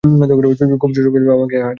খুব ছোট অবস্থায় বাবা-মাকে হারিয়ে অনাথ হন।